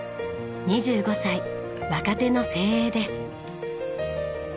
２５歳若手の精鋭です。